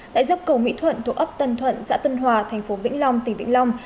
tại dốc cầu nguyễn thuận thủ ấp tân thuận xã tân hòa thành phố vĩnh long tỉnh vĩnh long